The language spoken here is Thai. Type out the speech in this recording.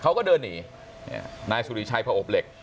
เขาก็เดินหนีเนี้ยนายสุรีชัยพระอบเหล็ก